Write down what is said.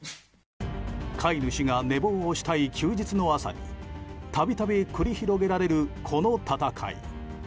飼い主が寝坊をしたい休日の朝に度々繰り広げられるこの戦い。